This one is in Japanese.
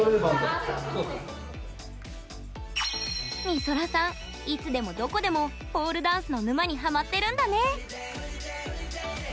みそらさん、いつでもどこでもポールダンスの沼にハマってるんだね！